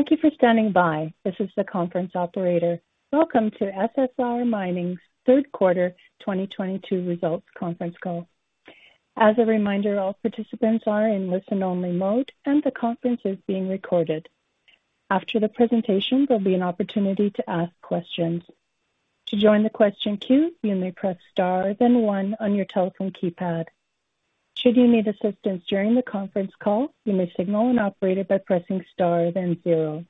Thank you for standing by. This is the conference operator. Welcome to SSR Mining's third quarter 2022 results conference call. As a reminder, all participants are in listen-only mode, and the conference is being recorded. After the presentation, there'll be an opportunity to ask questions. To join the question queue, you may press star then one on your telephone keypad. Should you need assistance during the conference call, you may signal an operator by pressing star then zero.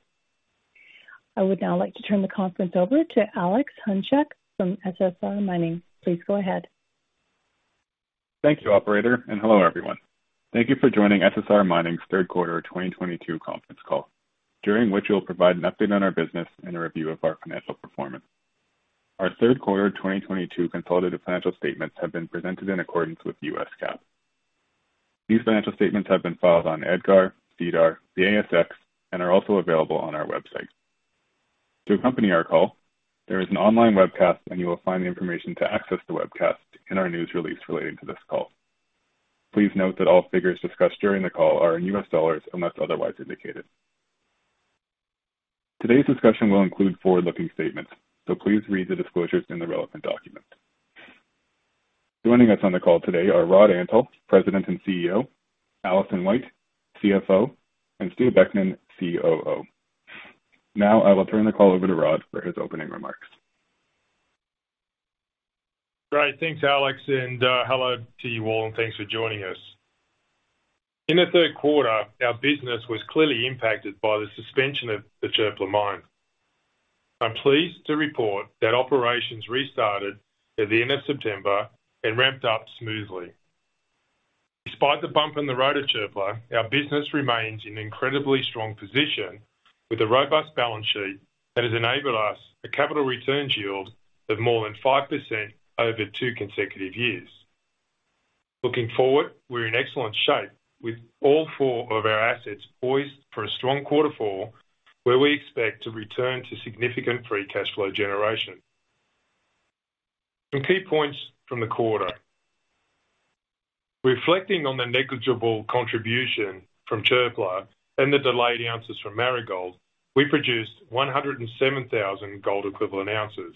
I would now like to turn the conference over to Alex Hunchak from SSR Mining. Please go ahead. Thank you, operator. Hello, everyone. Thank you for joining SSR Mining's third quarter 2022 conference call, during which we'll provide an update on our business and a review of our financial performance. Our third quarter 2022 consolidated financial statements have been presented in accordance with the U.S. GAAP. These financial statements have been filed on EDGAR, SEDAR, the ASX, and are also available on our website. To accompany our call, there is an online webcast. You will find the information to access the webcast in our news release relating to this call. Please note that all figures discussed during the call are in U.S. dollars unless otherwise indicated. Today's discussion will include forward-looking statements. Please read the disclosures in the relevant document. Joining us on the call today are Rod Antal, President and CEO, Alison White, CFO, and Stewart Beckman, COO. Now, I will turn the call over to Rod for his opening remarks. Great. Thanks, Alex. Hello to you all, and thanks for joining us. In the third quarter, our business was clearly impacted by the suspension of the Çöpler mine. I'm pleased to report that operations restarted at the end of September and ramped up smoothly. Despite the bump in the road at Çöpler, our business remains in incredibly strong position with a robust balance sheet that has enabled us a capital returns yield of more than 5% over two consecutive years. Looking forward, we're in excellent shape with all four of our assets poised for a strong quarter four, where we expect to return to significant free cash flow generation. Some key points from the quarter. Reflecting on the negligible contribution from Çöpler and the delayed ounces from Marigold, we produced 107,000 gold equivalent ounces.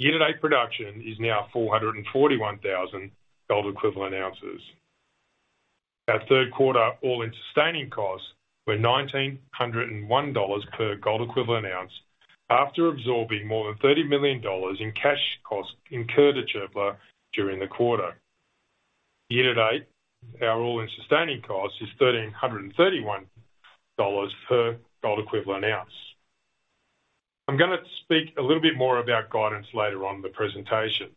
Year-to-date production is now 441,000 gold equivalent ounces. Our third quarter all-in sustaining costs were $1,901 per gold equivalent ounce after absorbing more than $30 million in cash costs incurred at Çöpler during the quarter. Year to date, our all-in sustaining cost is $1,331 per gold equivalent ounce. I'm gonna speak a little bit more about guidance later on in the presentation.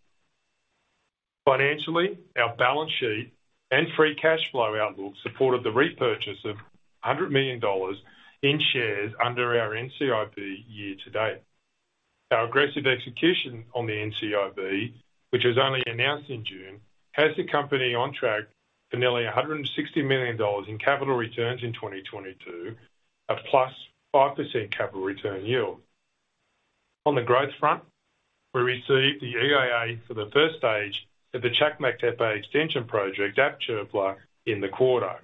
Financially, our balance sheet and free cash flow outlook supported the repurchase of $100 million in shares under our NCIB year to date. Our aggressive execution on the NCIB, which was only announced in June, has the company on track for nearly $160 million in capital returns in 2022, a +5% capital return yield. On the growth front, we received the EIA for the stage 1 at the Çakmaktepe extension project at Çöpler in the quarter.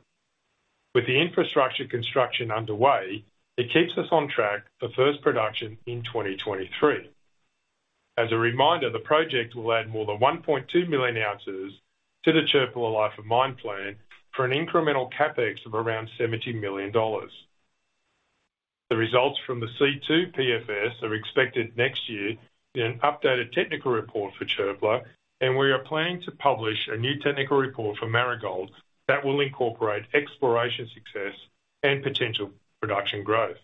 With the infrastructure construction underway, it keeps us on track for first production in 2023. As a reminder, the project will add more than 1.2 million ounces to the Çöpler life of mine plan for an incremental CapEx of around $70 million. The results from the C2 PFS are expected next year in an updated technical report for Çöpler, and we are planning to publish a new technical report for Marigold that will incorporate exploration success and potential production growth.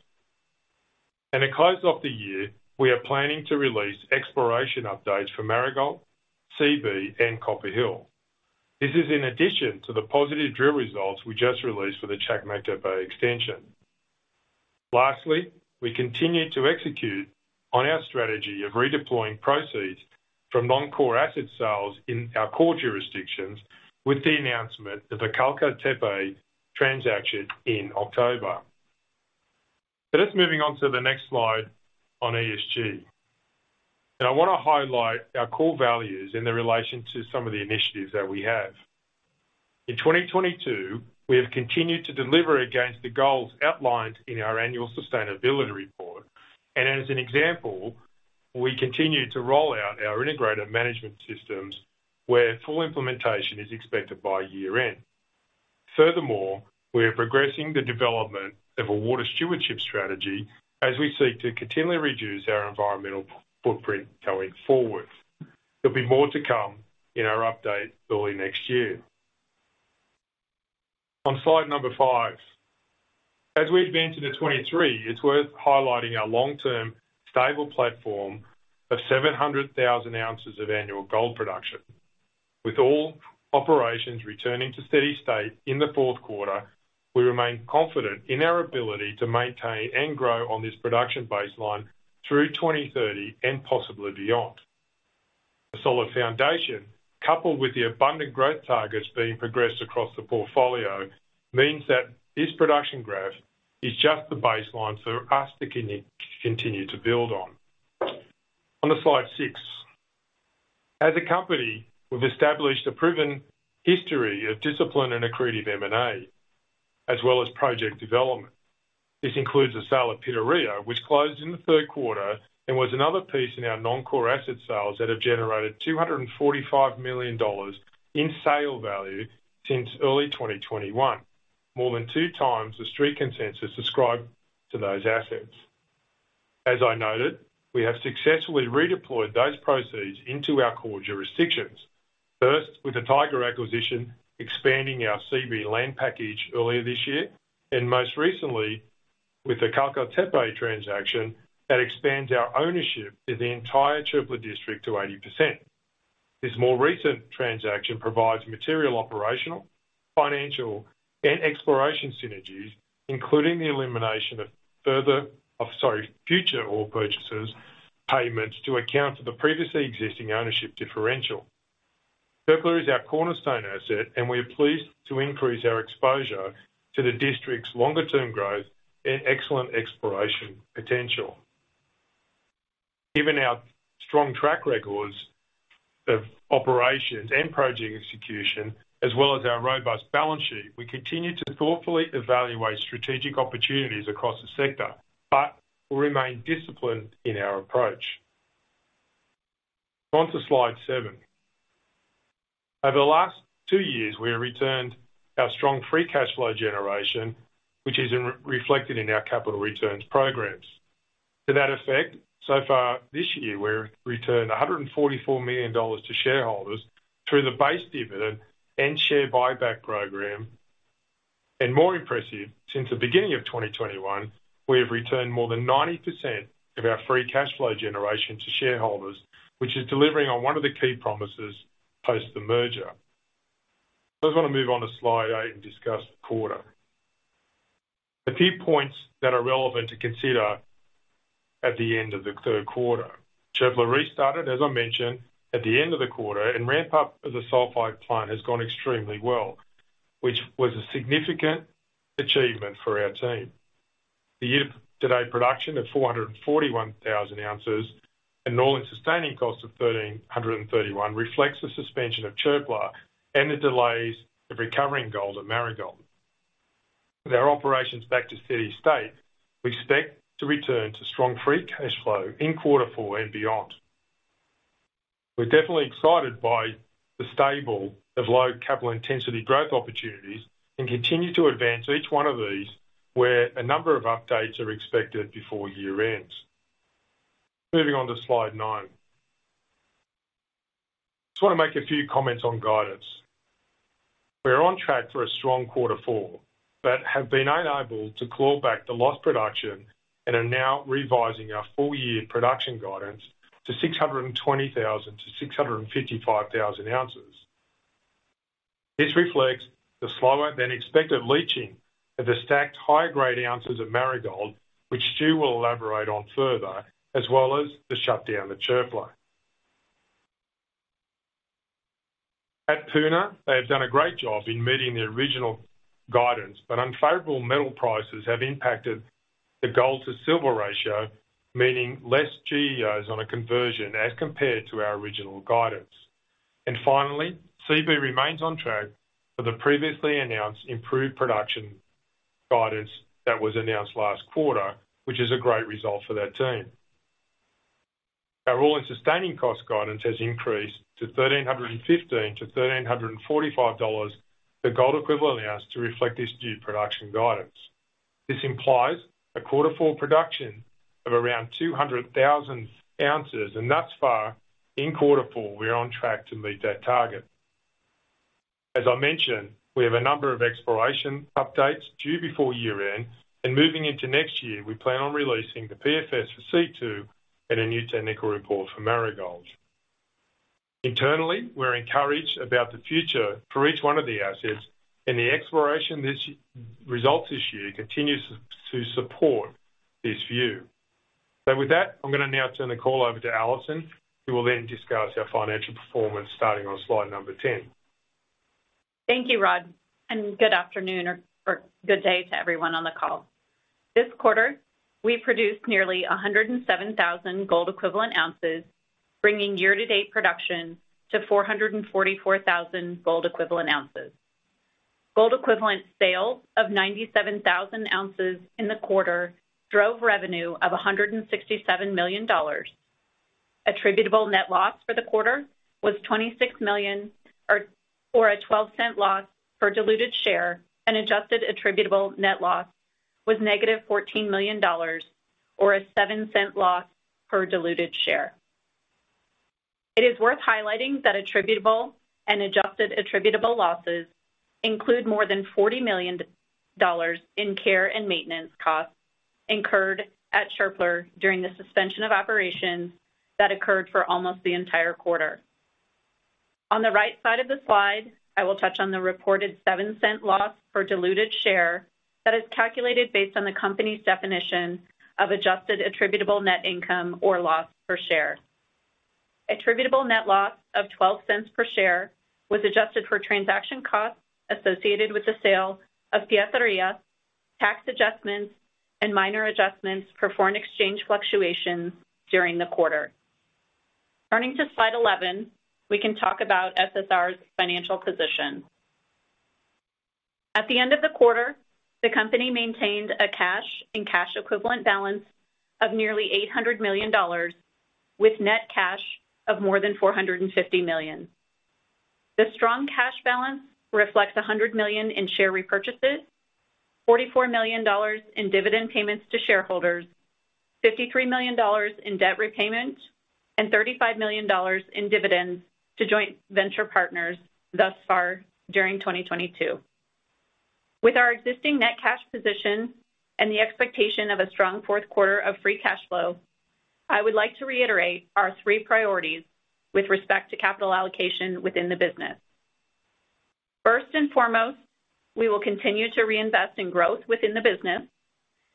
At close of the year, we are planning to release exploration updates for Marigold, Seabee, and Copper Hill. This is in addition to the positive drill results we just released for the Çakmaktepe extension. Lastly, we continue to execute on our strategy of redeploying proceeds from non-core asset sales in our core jurisdictions with the announcement of the Kartaltepe transaction in October. Let's moving on to the next slide on ESG. Now, I want to highlight our core values in the relation to some of the initiatives that we have. In 2022, we have continued to deliver against the goals outlined in our annual sustainability report. As an example, we continue to roll out our integrated management systems where full implementation is expected by year-end. Furthermore, we are progressing the development of a water stewardship strategy as we seek to continually reduce our environmental footprint going forward. There'll be more to come in our update early next year. On slide number five. As we advance into 2023, it's worth highlighting our long-term stable platform of 700,000 ounces of annual gold production. With all operations returning to steady state in the fourth quarter, we remain confident in our ability to maintain and grow on this production baseline through 2030 and possibly beyond. A solid foundation, coupled with the abundant growth targets being progressed across the portfolio, means that this production graph is just the baseline for us to continue to build on. On to slide six As a company, we've established a proven history of discipline and accretive M&A, as well as project development. This includes the sale of Pitarrilla, which closed in the third quarter and was another piece in our non-core asset sales that have generated $245 million in sale value since early 2021, more than 2 times the Street consensus ascribed to those assets. As I noted, we have successfully redeployed those proceeds into our core jurisdictions. First, with the Taiga acquisition, expanding our Seabee land package earlier this year, and most recently with the Kartaltepe transaction that expands our ownership in the entire Çöpler district to 80%. This more recent transaction provides material, operational, financial, and exploration synergies, including the elimination of future ore purchases, payments to account for the previously existing ownership differential. Çöpler is our cornerstone asset, and we are pleased to increase our exposure to the district's longer-term growth and excellent exploration potential. Given our strong track records of operations and project execution, as well as our robust balance sheet, we continue to thoughtfully evaluate strategic opportunities across the sector, but we remain disciplined in our approach. On to slide seven. Over the last two years, we have returned our strong free cash flow generation, which is reflected in our capital returns programs. To that effect, so far this year, we've returned $144 million to shareholders through the base dividend and share buyback program. More impressive, since the beginning of 2021, we have returned more than 90% of our free cash flow generation to shareholders, which is delivering on one of the key promises post the merger. I just want to move on to slide eight and discuss the quarter. The key points that are relevant to consider at the end of the third quarter. Çöpler restarted, as I mentioned at the end of the quarter, and ramp-up of the sulfide plant has gone extremely well, which was a significant achievement for our team. The year-to-date production of 441,000 ounces and all-in sustaining costs of $1,331 reflects the suspension of Çöpler and the delays of recovering gold at Marigold. With our operations back to steady state, we expect to return to strong free cash flow in quarter four and beyond. We're definitely excited by the stable of low capital intensity growth opportunities and continue to advance each one of these, where a number of updates are expected before year-end. Moving on to slide nine. Just want to make a few comments on guidance. We are on track for a strong quarter four, but have been unable to claw back the lost production and are now revising our full-year production guidance to 620,000 to 655,000 ounces. This reflects the slower-than-expected leaching of the stacked higher-grade ounces at Marigold, which Stu will elaborate on further, as well as the shutdown at Çöpler. At Puna, they have done a great job in meeting the original guidance, but unfavorable metal prices have impacted the gold to silver ratio, meaning less GEOs on a conversion as compared to our original guidance. Finally, Seabee remains on track for the previously announced improved production guidance that was announced last quarter, which is a great result for that team. Our all-in sustaining cost guidance has increased to $1,315-$1,345 for gold equivalent ounce to reflect this new production guidance. This implies a quarter four production of around 200,000 ounces, and thus far in quarter four, we are on track to meet that target. As I mentioned, we have a number of exploration updates due before year-end. Moving into next year, we plan on releasing the PFS for C2 and a new technical report for Marigold. Internally, we're encouraged about the future for each one of the assets and the exploration results this year continues to support this view. With that, I'm going to now turn the call over to Alison, who will then discuss our financial performance starting on slide number 10. Thank you, Rod, and good afternoon or good day to everyone on the call. This quarter, we produced nearly 107,000 gold equivalent ounces, bringing year-to-date production to 444,000 gold equivalent ounces. Gold equivalent sales of 97,000 ounces in the quarter drove revenue of $167 million. Attributable net loss for the quarter was $26 million or a $0.12 loss per diluted share. Adjusted attributable net loss was negative $14 million, or a $0.07 loss per diluted share. It is worth highlighting that attributable and adjusted attributable losses include more than $40 million in care and maintenance costs incurred at Çöpler during the suspension of operations that occurred for almost the entire quarter. On the right side of the slide, I will touch on the reported $0.07 loss per diluted share that is calculated based on the company's definition of adjusted attributable net income or loss per share. Attributable net loss of $0.12 per share was adjusted for transaction costs associated with the sale of Pitarrilla Tax adjustments and minor adjustments for foreign exchange fluctuations during the quarter. Turning to slide 11, we can talk about SSR's financial position. At the end of the quarter, the company maintained a cash and cash equivalent balance of nearly $800 million, with net cash of more than $450 million. The strong cash balance reflects $100 million in share repurchases, $44 million in dividend payments to shareholders, $53 million in debt repayment, and $35 million in dividends to joint venture partners thus far during 2022. With our existing net cash position and the expectation of a strong fourth quarter of free cash flow, I would like to reiterate our three priorities with respect to capital allocation within the business. First and foremost, we will continue to reinvest in growth within the business,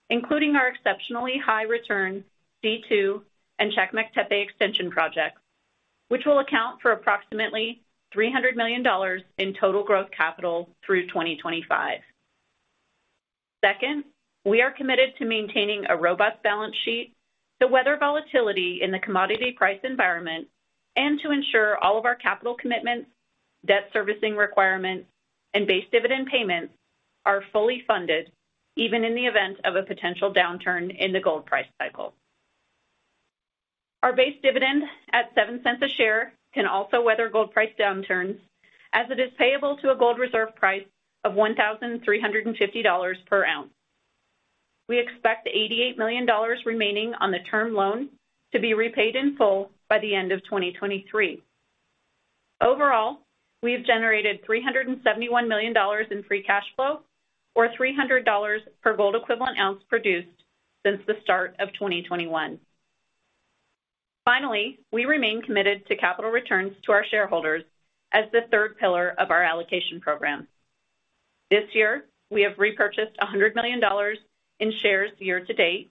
including our exceptionally high return C2 and Çakmaktepe extension projects, which will account for approximately $300 million in total growth capital through 2025. Second, we are committed to maintaining a robust balance sheet to weather volatility in the commodity price environment and to ensure all of our capital commitments, debt servicing requirements, and base dividend payments are fully funded even in the event of a potential downturn in the gold price cycle. Our base dividend at $0.07 a share can also weather gold price downturns, as it is payable to a gold reserve price of $1,350 per ounce. We expect $88 million remaining on the term loan to be repaid in full by the end of 2023. Overall, we have generated $371 million in free cash flow or $300 per gold equivalent ounce produced since the start of 2021. We remain committed to capital returns to our shareholders as the third pillar of our allocation program. This year, we have repurchased $100 million in shares year to date.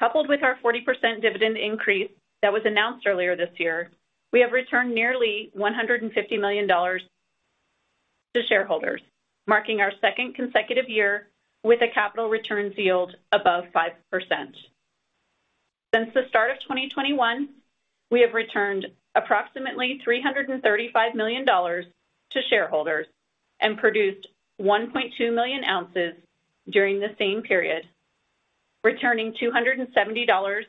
Coupled with our 40% dividend increase that was announced earlier this year, we have returned nearly $150 million to shareholders, marking our second consecutive year with a capital returns yield above 5%. Since the start of 2021, we have returned approximately $335 million to shareholders and produced 1.2 million ounces during the same period, returning $270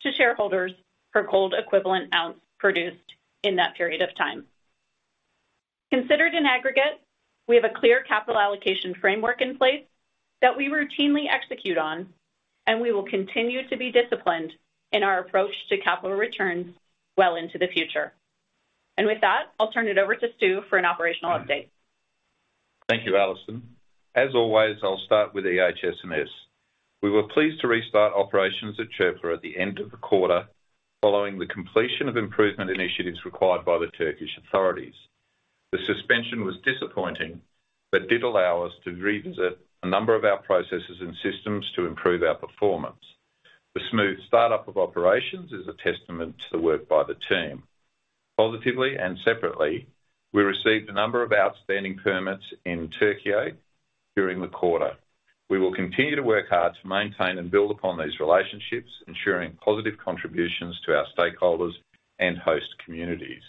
to shareholders per gold equivalent ounce produced in that period of time. Considered in aggregate, we have a clear capital allocation framework in place that we routinely execute on, we will continue to be disciplined in our approach to capital returns well into the future. With that, I'll turn it over to Stu for an operational update. Thank you, Alison. As always, I'll start with the HSMS. We were pleased to restart operations at Çöpler at the end of the quarter, following the completion of improvement initiatives required by the Turkish authorities. The suspension was disappointing, but did allow us to revisit a number of our processes and systems to improve our performance. The smooth start-up of operations is a testament to the work by the team. Positively and separately, we received a number of outstanding permits in Türkiye during the quarter. We will continue to work hard to maintain and build upon these relationships, ensuring positive contributions to our stakeholders and host communities.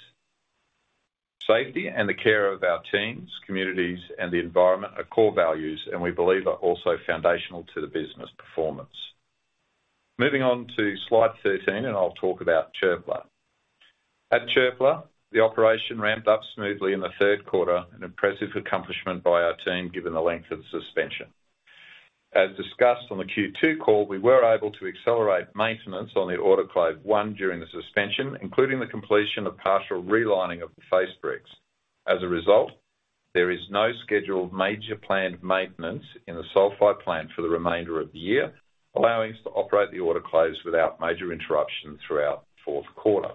Safety and the care of our teams, communities, and the environment are core values, we believe are also foundational to the business performance. Moving on to slide 13, I'll talk about Çöpler. At Çöpler, the operation ramped up smoothly in the third quarter, an impressive accomplishment by our team given the length of the suspension. As discussed on the Q2 call, we were able to accelerate maintenance on the autoclave one during the suspension, including the completion of partial relining of the face bricks. As a result, there is no scheduled major planned maintenance in the sulfide plant for the remainder of the year, allowing us to operate the autoclaves without major interruption throughout fourth quarter.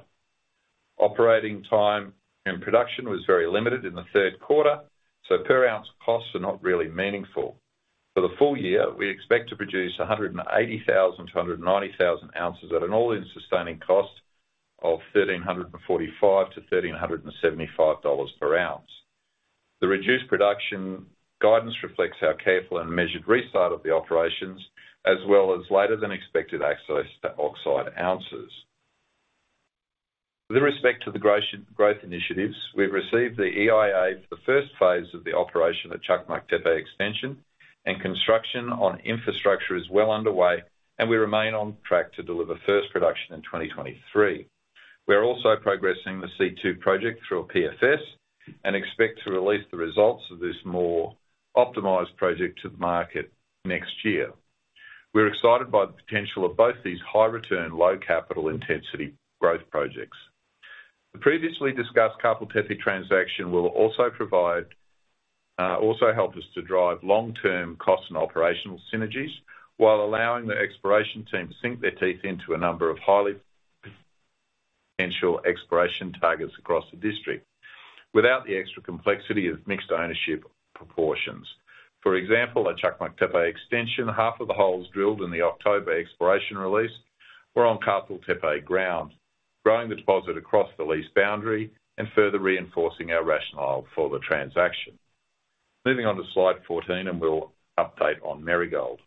Operating time and production was very limited in the third quarter, per ounce costs are not really meaningful. For the full year, we expect to produce 180,000 to 190,000 ounces at an all-in sustaining cost of $1,345-$1,375 per ounce. The reduced production guidance reflects our careful and measured restart of the operations, as well as later than expected access to oxide ounces. With respect to the growth initiatives, we've received the EIA for the first phase of the operation at Çakmaktepe extension, and construction on infrastructure is well underway, and we remain on track to deliver first production in 2023. We are also progressing the C2 project through a PFS and expect to release the results of this more optimized project to the market next year. We're excited by the potential of both these high return, low capital intensity growth projects. The previously discussed Kartaltepe transaction will also help us to drive long-term costs and operational synergies while allowing the exploration team to sink their teeth into a number of highly potential exploration targets across the district without the extra complexity of mixed ownership proportions. For example, at Çakmaktepe extension, half of the holes drilled in the October exploration release were on Kartaltepe grounds, growing the deposit across the lease boundary and further reinforcing our rationale for the transaction. Moving on to slide 14, we'll update on Marigold.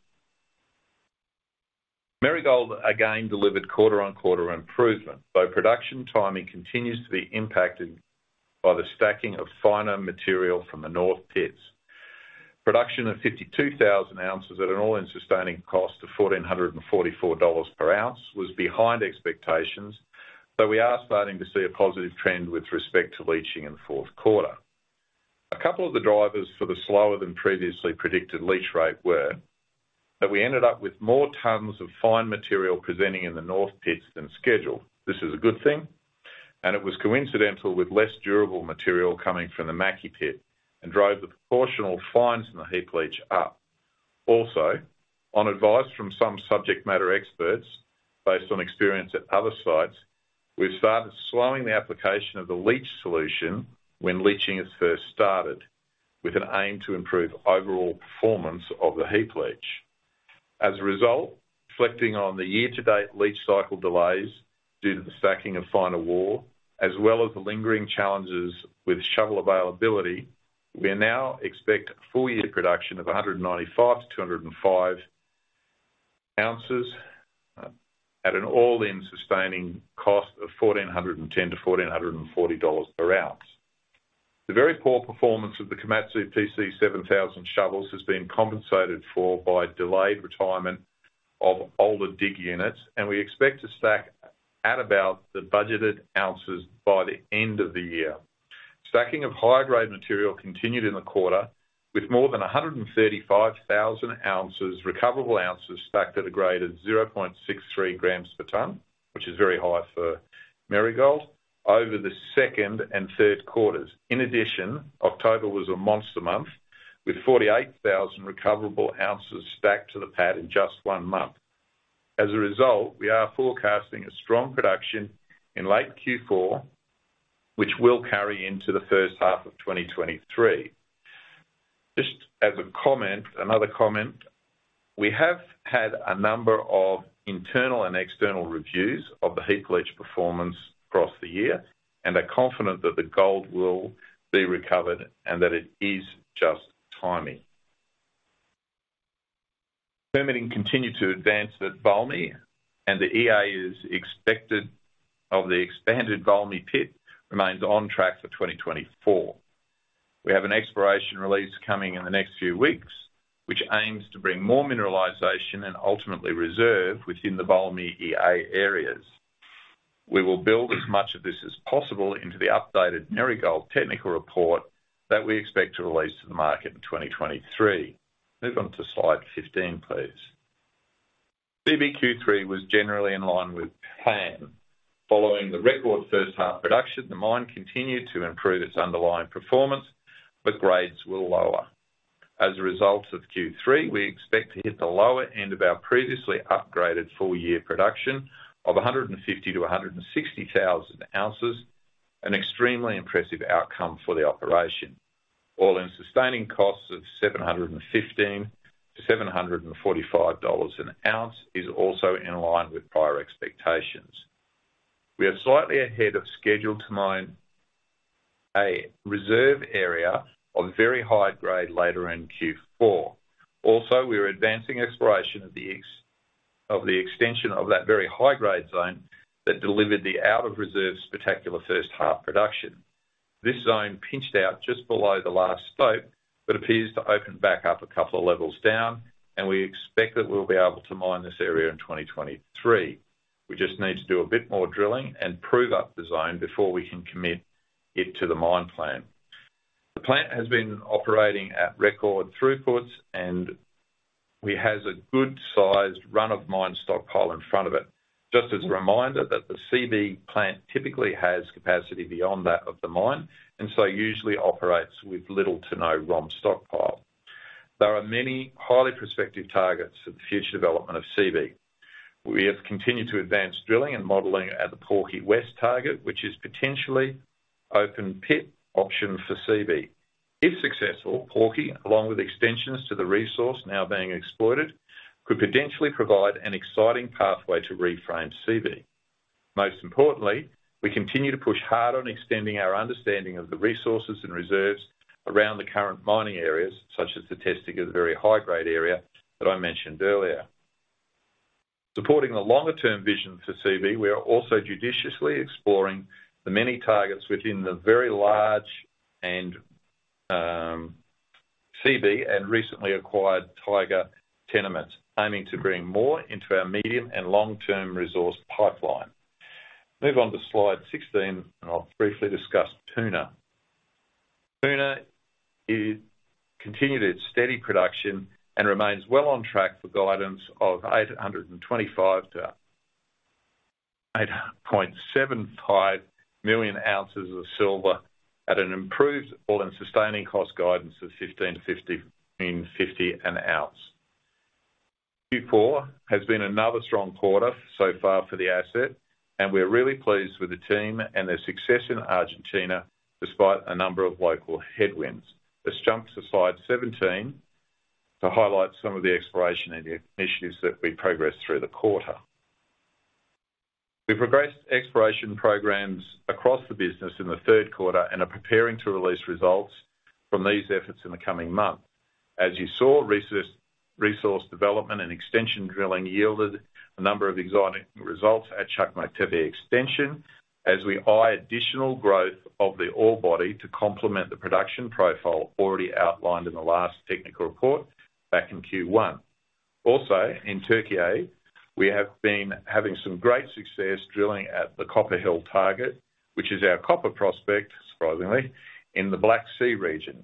Marigold again delivered quarter-on-quarter improvement, though production timing continues to be impacted by the stacking of finer material from the north pits. Production of 52,000 ounces at an all-in sustaining cost of $1,444 per ounce was behind expectations, but we are starting to see a positive trend with respect to leaching in the fourth quarter. A couple of the drivers for the slower than previously predicted leach rate were that we ended up with more tons of fine material presenting in the north pits than scheduled. This is a good thing, and it was coincidental with less durable material coming from the Mackay Pit and drove the proportional fines in the heap leach up. Also, on advice from some subject matter experts, based on experience at other sites, we've started slowing the application of the leach solution when leaching is first started, with an aim to improve overall performance of the heap leach. As a result, reflecting on the year-to-date leach cycle delays due to the stacking of finer ore, as well as the lingering challenges with shovel availability, we now expect full-year production of 195 to 205 ounces at an all-in sustaining cost of $1,410 to $1,440 per ounce. The very poor performance of the Komatsu PC7000 shovels has been compensated for by delayed retirement of older dig units and we expect to stack at about the budgeted ounces by the end of the year. Stacking of higher grade material continued in the quarter with more than 135,000 recoverable ounces stacked at a grade of 0.63 grams per ton, which is very high for Marigold, over the second and third quarters. In addition, October was a monster month with 48,000 recoverable ounces stacked to the pad in just one month. As a result, we are forecasting a strong production in late Q4, which will carry into the first half of 2023. Just as a comment, another comment, we have had a number of internal and external reviews of the heap leach performance across the year and are confident that the gold will be recovered and that it is just timing. Permitting continued to advance at Valmy, and the EA is expected of the expanded Valmy pit remains on track for 2024. We have an exploration release coming in the next few weeks, which aims to bring more mineralization and ultimately reserve within the Valmy EA areas. We will build as much of this as possible into the updated Marigold technical report that we expect to release to the market in 2023. Move on to slide 15, please. CC&V Q3 was generally in line with plan. Following the record first half production, the mine continued to improve its underlying performance, but grades were lower. As a result of Q3, we expect to hit the lower end of our previously upgraded full-year production of 150,000-160,000 ounces, an extremely impressive outcome for the operation. All-in sustaining costs of $715-$745 an ounce is also in line with prior expectations. We are slightly ahead of schedule to mine a reserve area of very high grade later in Q4. We are advancing exploration of the extension of that very high-grade zone that delivered the out of reserves spectacular first half production. This zone pinched out just below the last slope but appears to open back up a couple of levels down, and we expect that we will be able to mine this area in 2023. We just need to do a bit more drilling and prove up the zone before we can commit it to the mine plan. The plant has been operating at record throughputs, and it has a good-sized run-of-mine stockpile in front of it. Just as a reminder that the CC&V plant typically has capacity beyond that of the mine and usually operates with little to no ROM stockpile. There are many highly prospective targets for the future development of CC&V. We have continued to advance drilling and modeling at the Porky West target, which is potentially open pit option for CC&V. If successful, Porky, along with extensions to the resource now being exploited, could potentially provide an exciting pathway to reframe CC&V. Most importantly, we continue to push hard on extending our understanding of the resources and reserves around the current mining areas, such as the testing of the very high-grade area that I mentioned earlier. Supporting the longer-term vision for CC&V, we are also judiciously exploring the many targets within the very large and CC&V and recently acquired Taiga tenement, aiming to bring more into our medium and long-term resource pipeline. Move on to slide 16, and I will briefly discuss Puna. Puna continued its steady production and remains well on track for guidance of 8.25-8.75 million ounces of silver at an improved all-in sustaining cost guidance of $1,550 an ounce. Q4 has been another strong quarter so far for the asset, and we are really pleased with the team and their success in Argentina despite a number of local headwinds. Let's jump to slide 17. To highlight some of the exploration initiatives that we progressed through the quarter. We progressed exploration programs across the business in the third quarter and are preparing to release results from these efforts in the coming months. As you saw, resource development and extension drilling yielded a number of exciting results at Çakmaktepe extension, as we eye additional growth of the ore body to complement the production profile already outlined in the last technical report back in Q1. In Türkiye, we have been having some great success drilling at the Copper Hill target, which is our copper prospect, surprisingly, in the Black Sea region.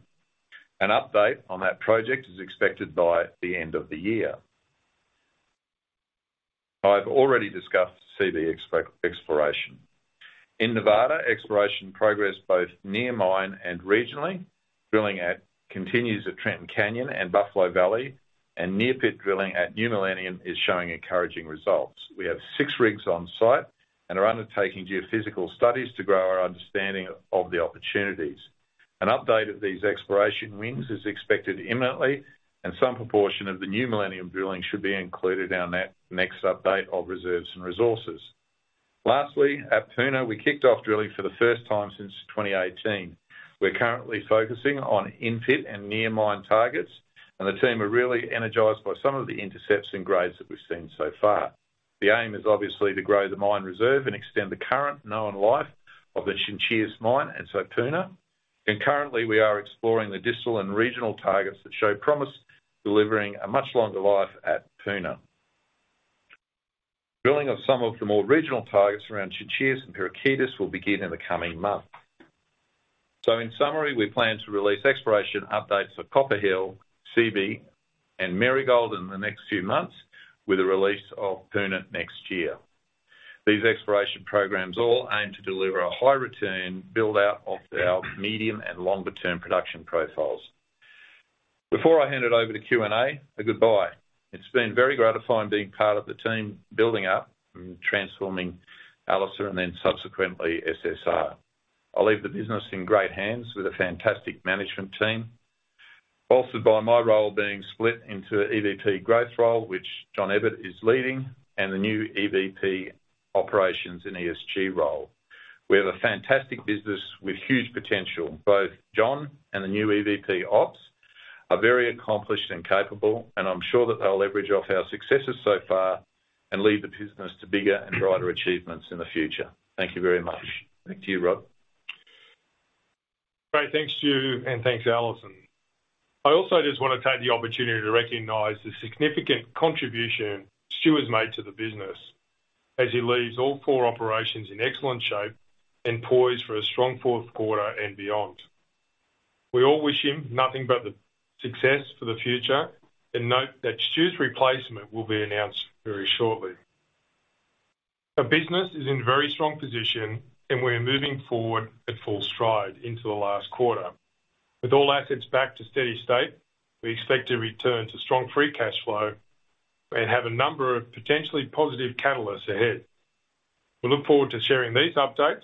An update on that project is expected by the end of the year. I've already discussed Seabee exploration. In Nevada, exploration progressed both near mine and regionally. Drilling continues at Trenton Canyon and Buffalo Valley, and near-pit drilling at New Millennium is showing encouraging results. We have six rigs on site and are undertaking geophysical studies to grow our understanding of the opportunities. An update of these exploration wins is expected imminently, and some proportion of the New Millennium drilling should be included in our next update of reserves and resources. Lastly, at Puna, we kicked off drilling for the first time since 2018. We're currently focusing on in-pit and near-mine targets, the team are really energized by some of the intercepts and grades that we've seen so far. The aim is obviously to grow the mine reserve and extend the current known life of the Chinchillas mine and Puna. Currently, we are exploring the distal and regional targets that show promise, delivering a much longer life at Puna. Drilling of some of the more regional targets around Chinchillas and Pirquitas will begin in the coming months. In summary, we plan to release exploration updates for Copper Hill, Seabee, and Marigold in the next few months, with the release of Puna next year. These exploration programs all aim to deliver a high return build-out of our medium and longer-term production profiles. Before I hand it over to Q&A, a goodbye. It's been very gratifying being part of the team building up and transforming Alacer and then subsequently SSR. I leave the business in great hands with a fantastic management team, bolstered by my role being split into EVP Growth role, which John Ebbett is leading, and the new EVP Operations and ESG role. We have a fantastic business with huge potential. Both John and the new EVP Ops are very accomplished and capable, I'm sure that they'll leverage off our successes so far and lead the business to bigger and brighter achievements in the future. Thank you very much. Back to you, Rod. Great. Thanks, Stewart, and thanks, Alison. I also just want to take the opportunity to recognize the significant contribution Stewart's made to the business, as he leaves all four operations in excellent shape and poised for a strong fourth quarter and beyond. We all wish him nothing but success for the future and note that Stewart's replacement will be announced very shortly. Our business is in very strong position, we're moving forward at full stride into the last quarter. With all assets back to steady state, we expect to return to strong free cash flow and have a number of potentially positive catalysts ahead. We look forward to sharing these updates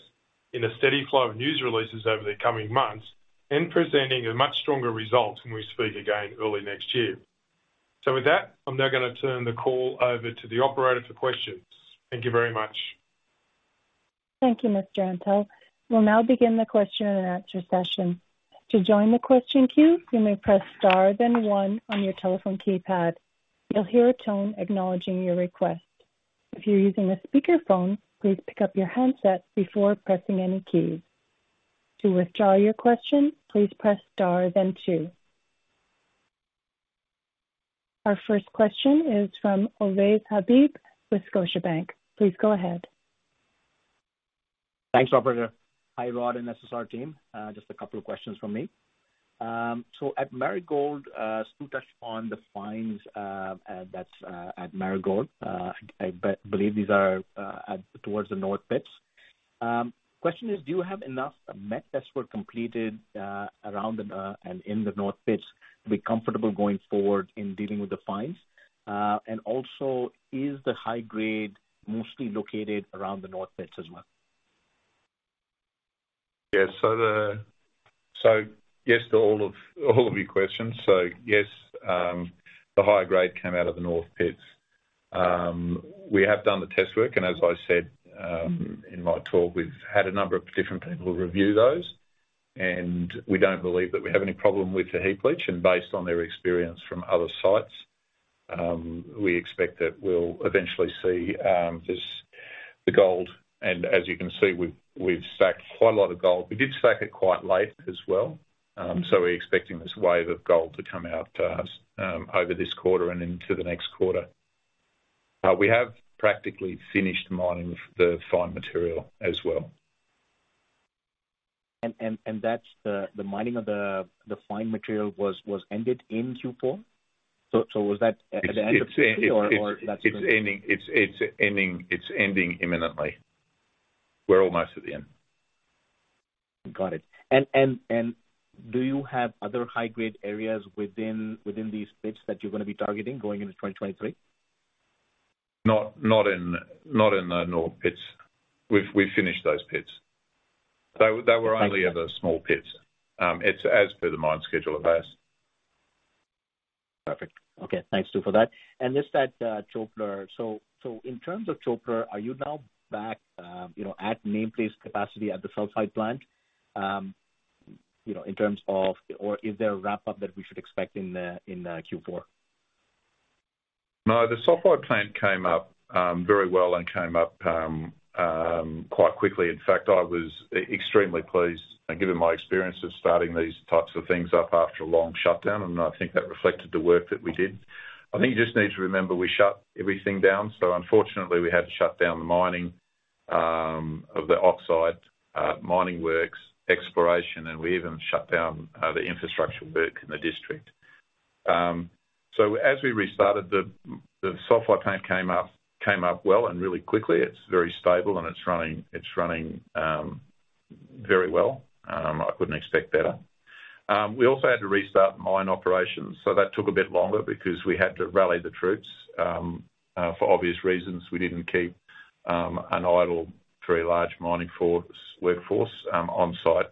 in a steady flow of news releases over the coming months and presenting a much stronger result when we speak again early next year. With that, I'm now gonna turn the call over to the operator for questions. Thank you very much. Thank you, Mr. Antal. We'll now begin the question and answer session. To join the question queue, you may press star then one on your telephone keypad. You'll hear a tone acknowledging your request. If you're using a speakerphone, please pick up your handset before pressing any keys. To withdraw your question, please press star then two. Our first question is from Ovais Habib with Scotiabank. Please go ahead. Thanks, operator. Hi, Rod and SSR team. Just a couple of questions from me. At Marigold, Stewart touched on the fines that's at Marigold. I believe these are towards the north pits. Question is, do you have enough met test work completed around and in the north pits to be comfortable going forward in dealing with the fines? Also, is the high grade mostly located around the north pits as well? Yes to all of your questions. Yes, the high grade came out of the north pits. We have done the test work, and as I said in my talk, we've had a number of different people review those, and we don't believe that we have any problem with the heap leach. Based on their experience from other sites, we expect that we'll eventually see this, the gold. As you can see, we've sacked quite a lot of gold. We did sack it quite late as well. We're expecting this wave of gold to come out to us over this quarter and into the next quarter. We have practically finished mining the fine material as well. That's the mining of the fine material was ended in Q4? Was that at the end of Q3 or that's? It's ending imminently. We're almost at the end. Got it. Do you have other high-grade areas within these pits that you're gonna be targeting going into 2023? Not in the north pits. We've finished those pits. Okay. They were only ever small pits. It's as per the mine schedule it has. Perfect. Okay, thanks Stu for that. Just that Çöpler. In terms of Çöpler, are you now back at nameplate capacity at the sulfide plant? In terms of, or is there a wrap-up that we should expect in Q4? No, the sulfide plant came up very well and came up quite quickly. In fact, I was extremely pleased, and given my experience of starting these types of things up after a long shutdown, and I think that reflected the work that we did. I think you just need to remember we shut everything down, so unfortunately, we had to shut down the mining of the oxide mining works exploration, and we even shut down the infrastructure work in the district. As we restarted, the sulfide plant came up well and really quickly. It's very stable and it's running very well. I couldn't expect better. We also had to restart the mine operations, so that took a bit longer because we had to rally the troops. For obvious reasons, we didn't keep an idle, very large mining workforce on-site.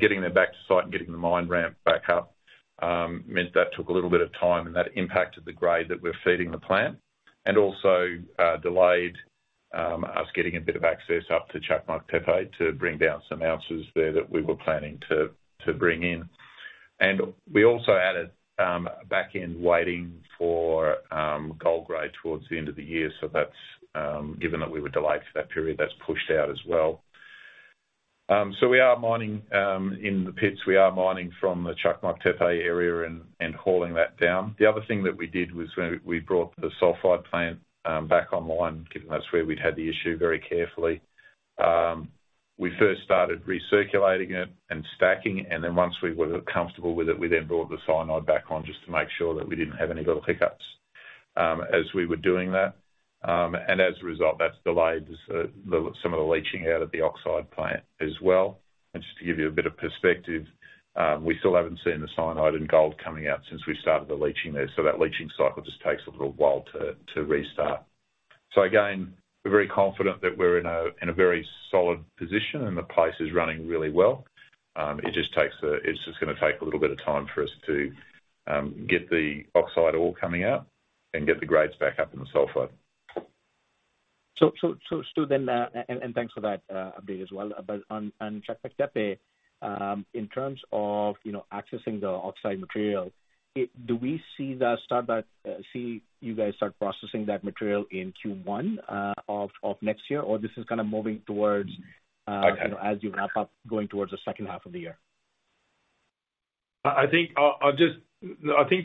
Getting them back to site and getting the mine ramped back up meant that took a little bit of time, and that impacted the grade that we're feeding the plant and also delayed us getting a bit of access up to Çakmaktepe to bring down some ounces there that we were planning to bring in. We also added back end waiting for gold grade towards the end of the year. Given that we were delayed for that period, that's pushed out as well. We are mining in the pits. We are mining from the Çakmaktepe area and hauling that down. The other thing that we did was when we brought the sulfide plant back online, given that's where we'd had the issue very carefully. We first started recirculating it and stacking it, then once we were comfortable with it, we then brought the cyanide back on just to make sure that we didn't have any little hiccups as we were doing that. As a result, that's delayed some of the leaching out of the oxide plant as well. Just to give you a bit of perspective, we still haven't seen the cyanide and gold coming out since we started the leaching there. That leaching cycle just takes a little while to restart. Again, we're very confident that we're in a very solid position and the place is running really well. It's just going to take a little bit of time for us to get the oxide all coming out and get the grades back up in the sulfide. Stu, thanks for that update as well. On Çakmaktepe, in terms of accessing the oxide material, do we see you guys start processing that material in Q1 of next year? This is kind of moving towards- Okay as you wrap up, going towards the second half of the year? I think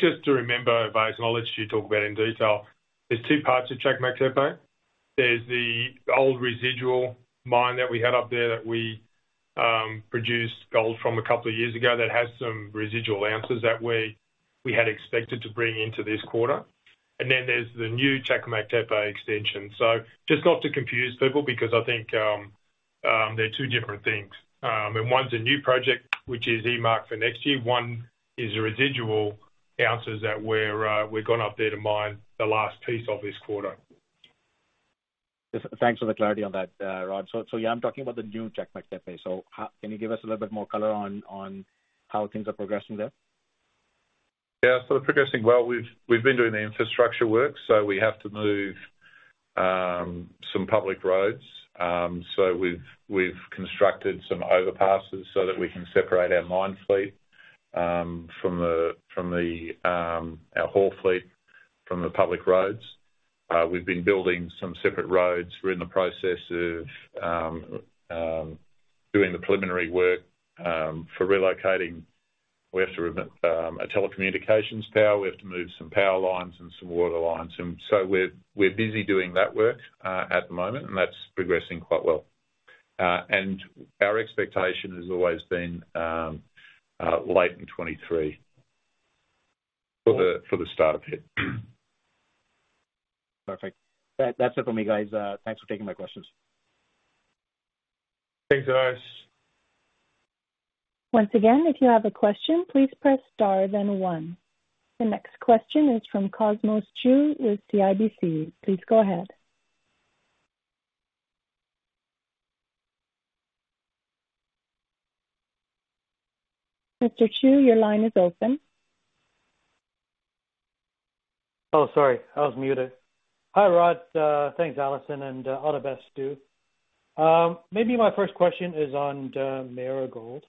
just to remember, by its knowledge, you talk about it in detail, there's two parts of Çakmaktepe. There's the old residual mine that we had up there that we produced gold from a couple of years ago that has some residual ounces that we had expected to bring into this quarter. Then there's the new Çakmaktepe extension. Just not to confuse people, because I think they're two different things. One's a new project, which is earmarked for next year. One is the residual ounces that we're going up there to mine the last piece of this quarter. Thanks for the clarity on that, Rod. Yeah, I'm talking about the new Çakmaktepe. Can you give us a little bit more color on how things are progressing there? Progressing well. We've been doing the infrastructure work, we have to move some public roads. We've constructed some overpasses so that we can separate our mine fleet from our whole fleet from the public roads. We've been building some separate roads. We're in the process of doing the preliminary work for relocating. We have to remove a telecommunications tower. We have to move some power lines and some water lines. We're busy doing that work at the moment, and that's progressing quite well. Our expectation has always been late in 2023 for the start of it. Perfect. That's it for me, guys. Thanks for taking my questions. Thanks, guys. Once again, if you have a question, please press star one. The next question is from Cosmos Chiu with CIBC. Please go ahead. Mr. Chiu, your line is open. Sorry, I was muted. Hi, Rod. Thanks, Alison, All the best, Stu. Maybe my first question is on the Marigold.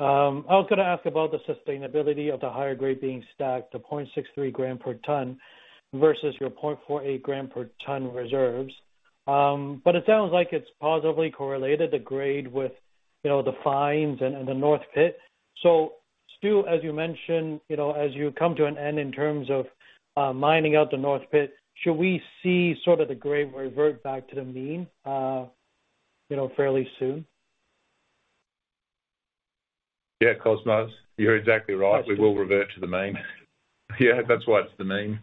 I was going to ask about the sustainability of the higher grade being stacked to 0.63 gram per ton versus your 0.48 gram per ton reserves. It sounds like it's positively correlated, the grade with the fines and the North Pit. Stu, as you mentioned, as you come to an end in terms of mining out the North Pit, should we see sort of the grade revert back to the mean fairly soon? Cosmos, you're exactly right. We will revert to the mean. That's why it's the mean.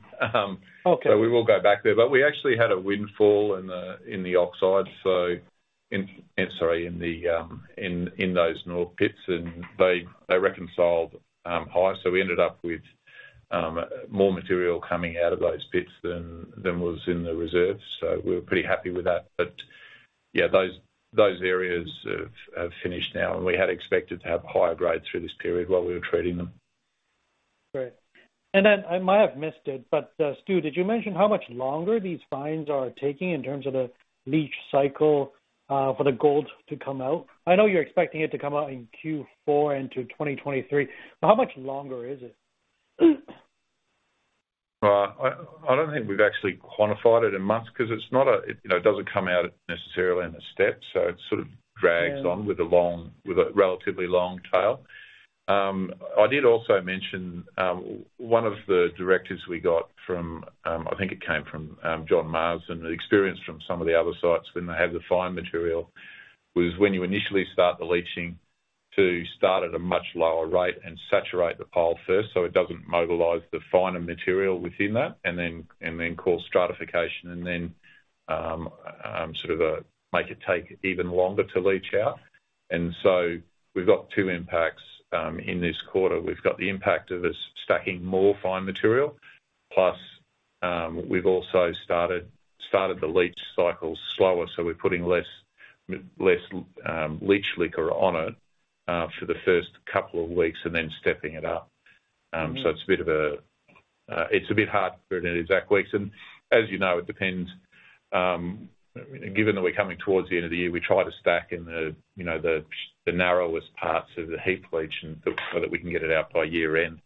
Okay. We will go back there. We actually had a windfall in the oxide, Sorry, in those North Pits, They reconciled high. We ended up with more material coming out of those pits than was in the reserves. We were pretty happy with that. Those areas have finished now, we had expected to have higher grades through this period while we were treating them. Great. I might have missed it, Stu, did you mention how much longer these fines are taking in terms of the leach cycle for the gold to come out? I know you're expecting it to come out in Q4 into 2023, how much longer is it? I don't think we've actually quantified it in months because it doesn't come out necessarily in a step, so it sort of drags on with a relatively long tail. I did also mention one of the directives we got from, I think it came from John Marsh, and the experience from some of the other sites when they have the fine material, was when you initially start the leaching, to start at a much lower rate and saturate the pile first so it doesn't mobilize the finer material within that and then cause stratification and then sort of make it take even longer to leach out. We've got two impacts in this quarter. We've got the impact of us stacking more fine material, plus we've also started the leach cycles slower, so we're putting less leach liquor on it for the first couple of weeks and then stepping it up. It's a bit hard to put it in exact weeks. As you know, it depends, given that we're coming towards the end of the year, we try to stack in the narrowest parts of the heap leach so that we can get it out by year end.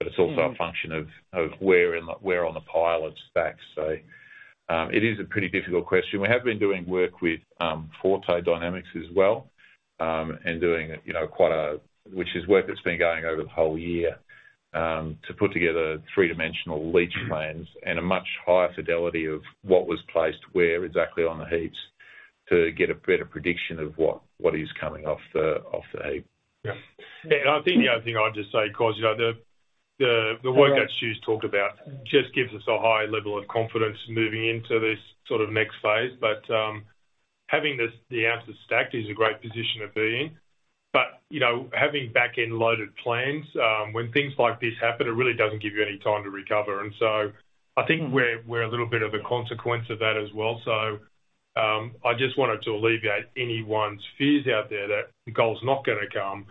It's also a function of where on the pile it's stacked. It is a pretty difficult question. We have been doing work with Forte Dynamics as well, which is work that's been going over the whole year, to put together three-dimensional leach plans and a much higher fidelity of what was placed where exactly on the heaps to get a better prediction of what is coming off the heap. Yeah. I think the other thing I'd just say, Cos, the work that Stu's talked about just gives us a high level of confidence moving into this next phase. Having the ounces stacked is a great position to be in. Having back-end loaded plans, when things like this happen, it really doesn't give you any time to recover. I think we're a little bit of a consequence of that as well. I just wanted to alleviate anyone's fears out there that gold's not going to come.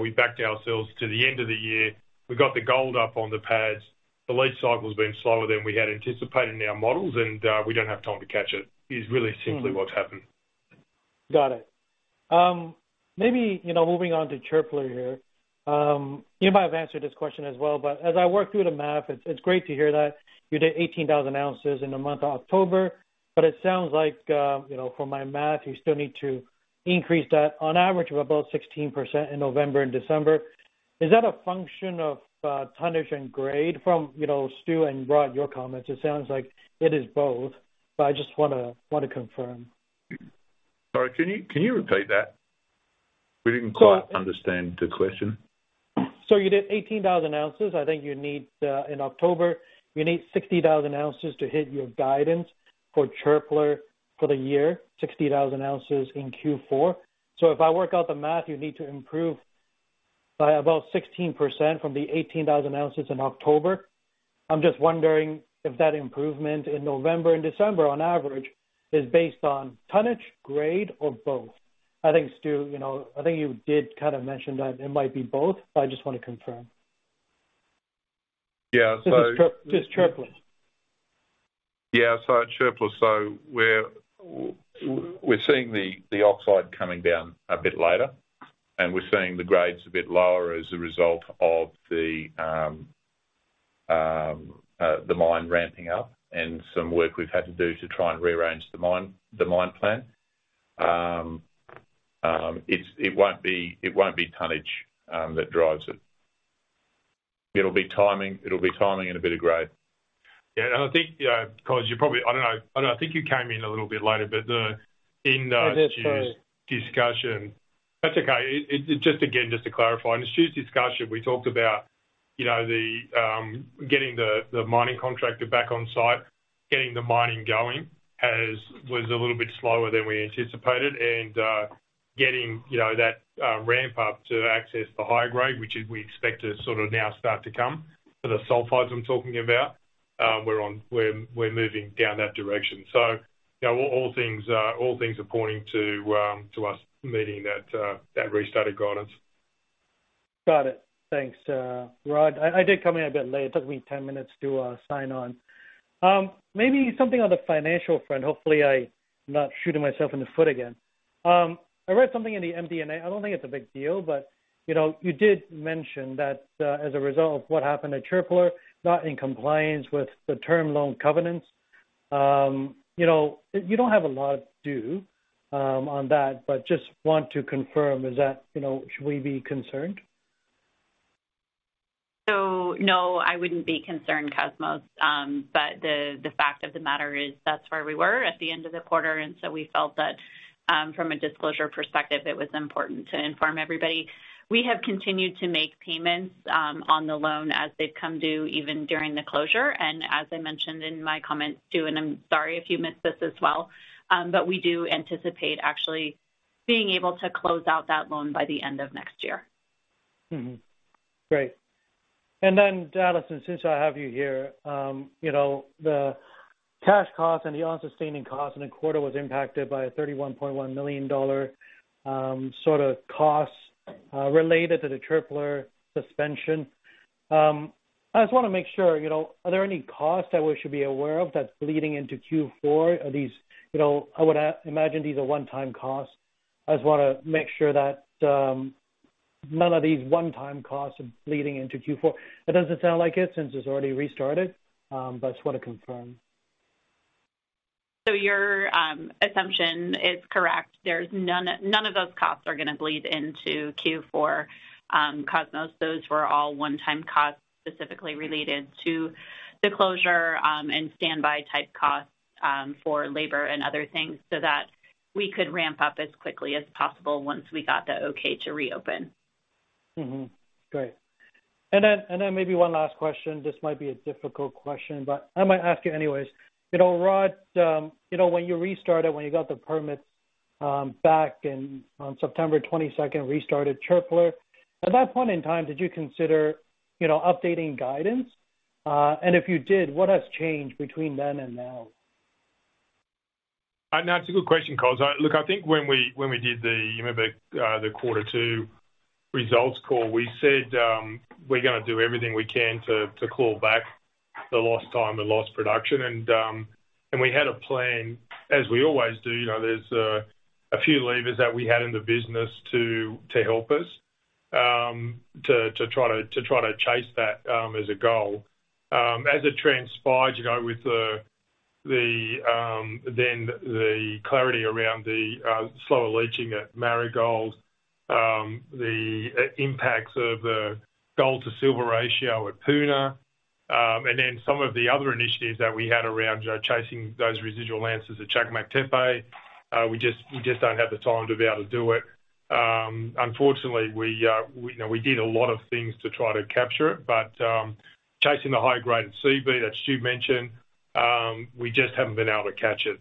We backed ourselves to the end of the year. We got the gold up on the pads. The leach cycle's been slower than we had anticipated in our models, and we don't have time to catch it, is really simply what's happened. Got it. Maybe moving on to Çöpler here. You might have answered this question as well, as I work through the math, it's great to hear that you did 18,000 ounces in the month of October, it sounds like, from my math, you still need to increase that on average of about 16% in November and December. Is that a function of tonnage and grade? From Stu and Rod, your comments, it sounds like it is both, but I just want to confirm. Sorry, can you repeat that? We didn't quite understand the question. You did 18,000 ounces. I think you need, in October, you need 60,000 ounces to hit your guidance for Çöpler for the year, 60,000 ounces in Q4. If I work out the math, you need to improve by about 16% from the 18,000 ounces in October. I'm just wondering if that improvement in November and December, on average, is based on tonnage, grade, or both. I think, Stu, I think you did kind of mention that it might be both. I just want to confirm. Yeah. Just Çöpler. Yeah. At Çöpler, we're seeing the oxide coming down a bit later, and we're seeing the grades a bit lower as a result of the mine ramping up and some work we've had to do to try and rearrange the mine plan. It won't be tonnage that drives it. It'll be timing and a bit of grade. Yeah. I think, Kos. I don't know. I think you came in a little bit later. That's true discussion. That's okay. Just again, just to clarify. In Stewart discussion, we talked about getting the mining contractor back on site, getting the mining going was a little bit slower than we anticipated, and getting that ramp up to access the higher grade, which we expect to sort of now start to come for the sulfides I'm talking about. We're moving down that direction. All things are pointing to us meeting that restarted guidance. Got it. Thanks, Rod. I did come in a bit late. It took me 10 minutes to sign on. Maybe something on the financial front. Hopefully, I'm not shooting myself in the foot again. I read something in the MD&A. I don't think it's a big deal, you did mention that as a result of what happened at Çöpler, not in compliance with the term loan covenants. You don't have a lot due on that, just want to confirm, should we be concerned? No, I wouldn't be concerned, Cosmos. The fact of the matter is that's where we were at the end of the quarter, we felt that from a disclosure perspective, it was important to inform everybody. We have continued to make payments on the loan as they've come due, even during the closure. As I mentioned in my comments, too, I'm sorry if you missed this as well, we do anticipate actually being able to close out that loan by the end of next year. Great. Alison, since I have you here, the cash cost and the unsustaining cost in the quarter was impacted by a $31.1 million sort of costs related to the Çöpler suspension. I just want to make sure, are there any costs that we should be aware of that's bleeding into Q4? I would imagine these are one-time costs. I just want to make sure that none of these one-time costs are bleeding into Q4. It doesn't sound like it since it's already restarted, but I just want to confirm. Your assumption is correct. None of those costs are going to bleed into Q4, Cosmos. Those were all one-time costs specifically related to the closure, and standby type costs for labor and other things, so that we could ramp up as quickly as possible once we got the okay to reopen. Great. Then maybe one last question. This might be a difficult question, but I might ask you anyways. Rod, when you restarted, when you got the permits back on September 22nd, restarted Çöpler. At that point in time, did you consider updating guidance? If you did, what has changed between then and now? No, it's a good question, Cosmos. Look, I think when we did the, you remember, the quarter 2 results call, we said we're gonna do everything we can to claw back the lost time, the lost production. We had a plan, as we always do. There's a few levers that we had in the business to help us, to try to chase that as a goal. As it transpired, with the clarity around the slower leaching at Marigold, the impacts of the gold to silver ratio at Puna, some of the other initiatives that we had around chasing those residual answers at Chalcocite, we just don't have the time to be able to do it. Unfortunately, we did a lot of things to try to capture it, but chasing the high grade in Seabee that Stu mentioned, we just haven't been able to catch it.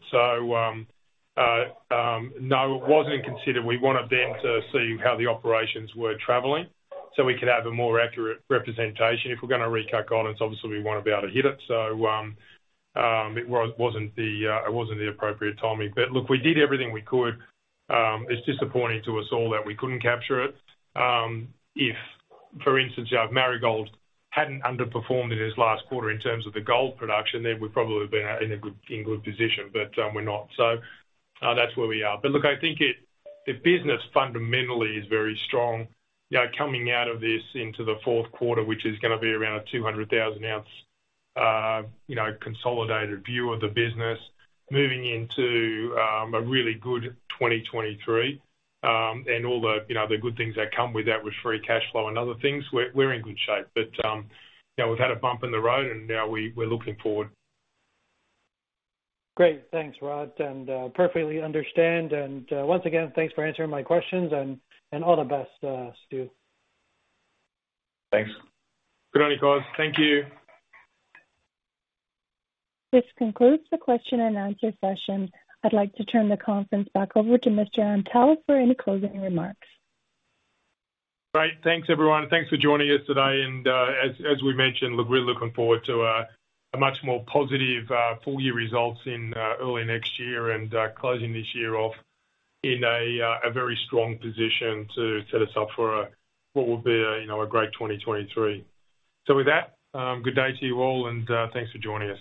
No, it wasn't considered. We wanted then to see how the operations were traveling so we could have a more accurate representation. If we're going to recut guidance, obviously we want to be able to hit it. It wasn't the appropriate timing. Look, we did everything we could. It's disappointing to us all that we couldn't capture it. If, for instance, Marigold hadn't underperformed in this last quarter in terms of the gold production, then we'd probably been in good position, but we're not. That's where we are. Look, I think the business fundamentally is very strong. Coming out of this into the fourth quarter, which is going to be around a 200,000 ounce consolidated view of the business, moving into a really good 2023. All the good things that come with that with free cash flow and other things, we're in good shape. We've had a bump in the road and now we're looking forward. Great. Thanks, Rod, perfectly understand. Once again, thanks for answering my questions and all the best, Stu. Thanks. Good on you, Cosmos. Thank you. This concludes the question and answer session. I'd like to turn the conference back over to Mr. Antal for any closing remarks. Great. Thanks, everyone. Thanks for joining us today. As we mentioned, look, we're looking forward to a much more positive full year results in early next year and closing this year off in a very strong position to set us up for what will be a great 2023. With that, good day to you all, and thanks for joining us.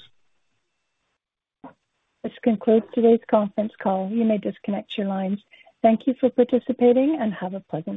This concludes today's conference call. You may disconnect your lines. Thank you for participating, and have a pleasant day.